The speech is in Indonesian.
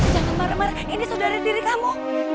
jangan marah marah ini saudari diri kamu